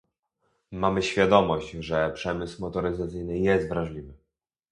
Mamy świadomość, że przemysł motoryzacyjny jest wrażliwy